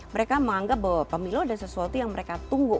mereka menganggap bahwa pemilu ada sesuatu yang mereka tunggu